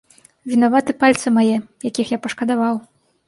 Вінаваты пальцы мае, якіх я пашкадаваў.